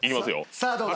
さあどうだ？